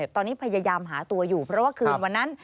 ตอนนี้พยายามหาตัวอยู่เพราะว่าคืนวันนั้น